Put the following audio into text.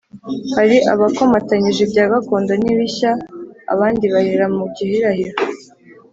hari abakomatanije ibya gakondo n'ibishya abandi bahera mu gihirahiro